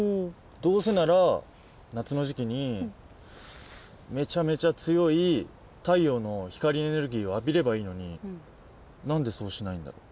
どうせなら夏の時期にめちゃめちゃ強い太陽の光エネルギーを浴びればいいのに何でそうしないんだろう？